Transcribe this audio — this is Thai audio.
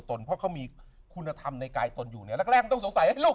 ตนเพราะเขามีคุณธรรมในกายตนอยู่แล้วต้องสงสัยให้ลูก